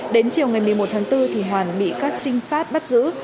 đến chiều ngày một mươi một tháng bốn thì hoàn bị các trinh sát bắt giữ